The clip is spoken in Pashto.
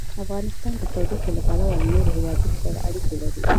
افغانستان د تودوخه له پلوه له نورو هېوادونو سره اړیکې لري.